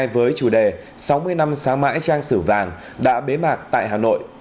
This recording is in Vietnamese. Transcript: với chủ đề sáu mươi năm sáng mãi trang sử vàng đã bế mạc tại hà nội